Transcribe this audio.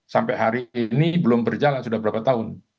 sampai hari ini belum berjalan sudah berapa tahun